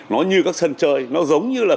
nó như các sân chơi nó giống như là